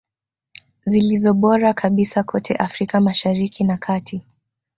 Zilizo bora kabisa kote Afrika Mashariki na kati